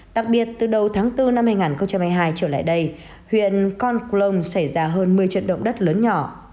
đặc biệt từ đầu tháng bốn năm hai nghìn hai mươi hai trở lại đây huyện con clon xảy ra hơn một mươi trận động đất lớn nhỏ